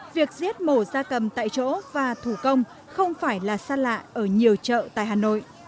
việc giết mổ ra cầm tại chỗ và thủ công không phải là xa lạ ở nhiều chợ tại hà nội